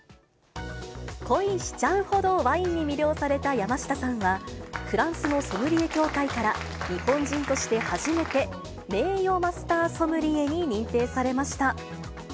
恋しちゃうほどワインに魅了された山下さんは、フランスのソムリエ協会から、日本人として初めて、名誉マスター・ソムリエに認定されました。